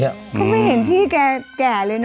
ก็ไม่เห็นพี่แก่เลยเนอะ